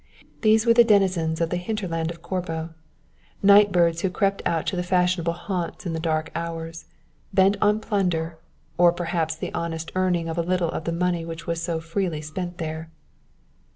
These were the denizens of the hinterland of Corbo, night birds who crept out to the fashionable haunts in the dark hours, bent on plunder, or perhaps the honest earning of a little of the money which was being so freely spent there.